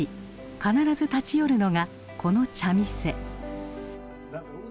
必ず立ち寄るのがこの茶店。